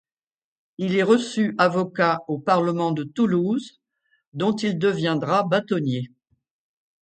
Il est reçu avocat au Parlement de Toulouse, dont il deviendra bâtonnier.